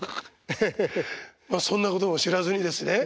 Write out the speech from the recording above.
まあそんなことも知らずにですね